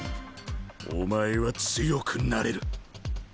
お前は強くなれる。